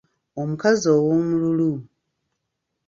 Omukazi ow'omululu.